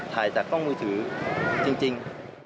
ถ่ายจากกล้องมือถือจริง